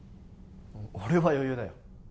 俺は余裕だよ